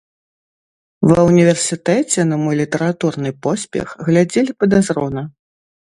Ва ўніверсітэце на мой літаратурны поспех глядзелі падазрона.